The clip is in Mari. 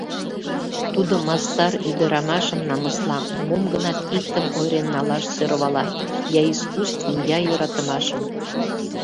Тудо мастар ӱдырамашым намысла, мом-гынат иктым ойырен налаш сӧрвала: я искусствым, я йӧратымашым.